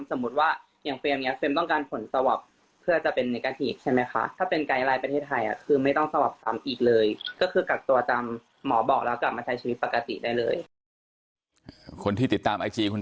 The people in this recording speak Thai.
สมมุติว่าอย่างเฟรมอย่างนี้เฟรมต้องการผลสวับเพื่อจะเป็นเนกาทีใช่ไหมคะ